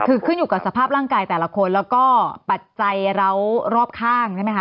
คือขึ้นอยู่กับสภาพร่างกายแต่ละคนแล้วก็ปัจจัยเรารอบข้างใช่ไหมคะ